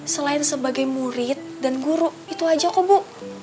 selain sebagai murid dan guru itu aja kok bu